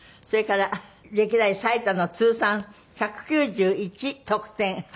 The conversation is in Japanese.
それから歴代最多の通算１９１得点。